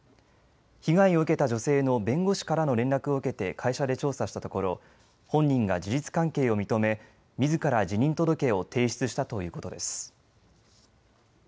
被害を受けた女性の弁護士からの連絡を受けて会社で調査したところ本人が事実関係を認めみずから辞任届を提出したということです。